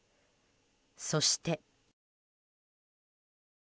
そして。